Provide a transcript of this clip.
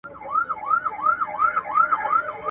د نیمي شپې تیاره ده دا آذان په باور نه دی